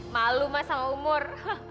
malu ma sama umur